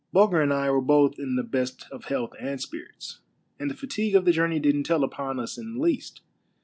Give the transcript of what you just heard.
Bulger and I were both in the best of health and spirits, and the fatigue of the journey didn't tell upon us in the least.